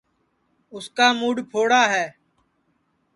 اُس کا موڈؔ پھوڑا ہے